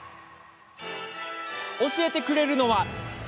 教えてくれるのは。